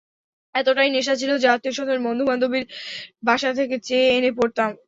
এতটাই নেশা ছিল যে, আত্মীয়স্বজন বন্ধুবান্ধবীর বাসা থেকে চেয়ে এনে পড়তাম।